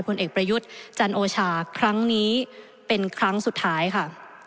ผลเอกประยุทธ์จันโอชาครั้งนี้เป็นครั้งสุดท้ายค่ะ